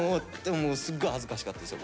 すっごい恥ずかしかったですよ